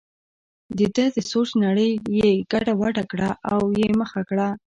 دده د سوچ نړۍ یې ګډه وډه کړه او یې مخه کړه.